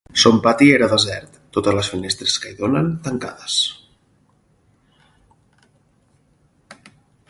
Son pati era desert; totes les finestres que hi donen, tancades.